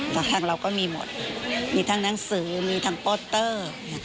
แล้วทางเราก็มีหมดมีทางหนังสือมีทางโป้ตเตอร์